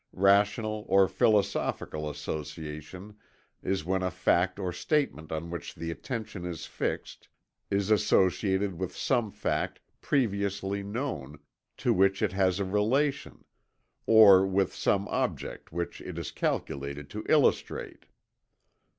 Rational or philosophical association is when a fact or statement on which the attention is fixed is associated with some fact previously known, to which it has a relation, or with some subject which it is calculated to illustrate."